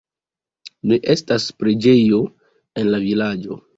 Ne estas preĝejo en la vilaĝo.